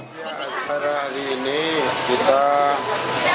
pergantian pergantian perangkap di jalan pahlawan